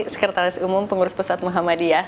sekretaris umum pengurus pusat muhammadiyah